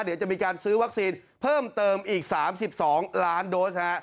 เดี๋ยวจะมีการซื้อวัคซีนเพิ่มเติมอีก๓๒ล้านโดส